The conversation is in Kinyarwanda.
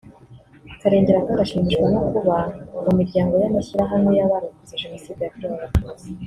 Karengera kandi ashimishwa no kuba mu miryango n’amashyirahamwe y’abarokotse Jenoside yakorewe Abatutsi